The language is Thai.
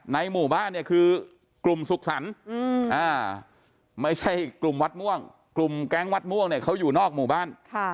หมู่บ้านเนี่ยคือกลุ่มสุขสรรค์ไม่ใช่กลุ่มวัดม่วงกลุ่มแก๊งวัดม่วงเนี่ยเขาอยู่นอกหมู่บ้าน